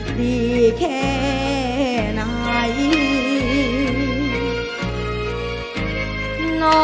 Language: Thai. ดีแค่ไหน